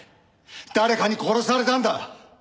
誰かに殺されたんだ！